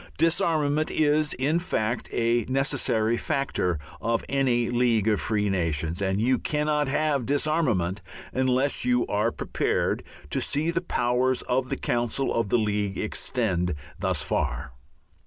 Disarmament is, in fact, a necessary factor of any League of Free Nations, and you cannot have disarmament unless you are prepared to see the powers of the council of the League extend thus far.